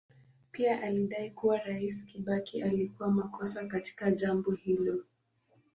Pia alidai kuwa Rais Kibaki alikuwa makosa katika jambo hilo.